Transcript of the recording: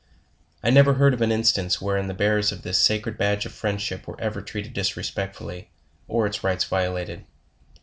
I never heard of an instance wherein the bearers of this sa cred badge of friendship were ever treated disrespectfully, or its rights violated.